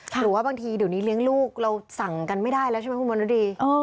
หรือว่าบางทีเดี๋ยวนี้เลี้ยงลูกเราสั่งกันไม่ได้แล้วใช่ไหมคุณมณฤดี